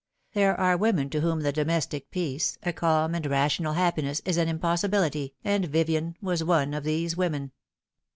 There are women to whom domestic peace, a calm and rational The Rift in the Lute. 267 happiness, is an impossibility, and Vivien was one of these women.